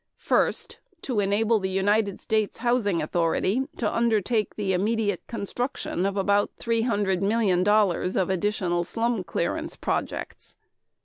First, to enable the United States Housing Authority to undertake the immediate construction of about three hundred million dollars of additional slum clearance projects.